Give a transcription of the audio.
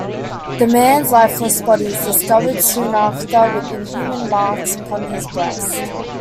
The man's lifeless body is discovered soon after with inhuman marks upon his breast.